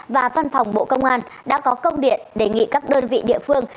và văn phòng bộ công an đã có công điện đề nghị các đơn vị địa phương